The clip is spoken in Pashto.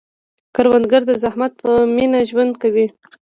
کروندګر د زحمت په مینه ژوند کوي